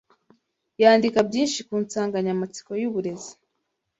yandika byinshi ku nsanganyamatsiko y’uburezi